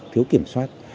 thiếu kiểm soát